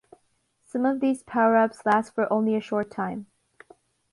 Some of these power-ups last for only a short time.